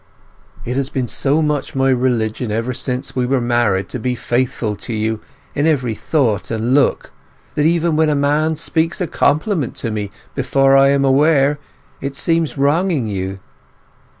It has been so much my religion ever since we were married to be faithful to you in every thought and look, that even when a man speaks a compliment to me before I am aware, it seems wronging you.